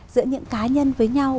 giữa những cá nhân với nhau